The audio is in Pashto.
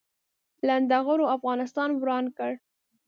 لنډغرو افغانستان وران کړ